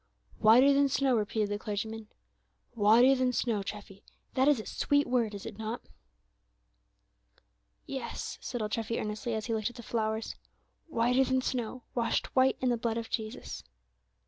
'" "Whiter than snow," repeated the clergyman; "whiter than snow; Treffy! that is a sweet word, is it not?" "Yes," said old Treffy, earnestly, as he looked at the flowers, "whiter than snow, washed white in the blood of Jesus."